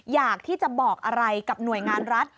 อยากที่จะบอกอะไรกับหน่วยงานรัฐ